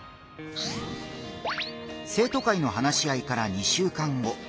生徒会の話し合いから２週間後。